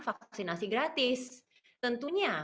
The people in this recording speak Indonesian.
vaksinasi gratis tentunya